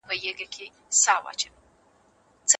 موږ په اخترونو کې د خپلو خپلوانو کره ځو.